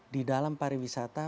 di dalam pariwisata